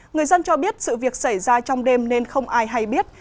người dân cho biết sự việc xảy ra trong đêm nên không ai hay biết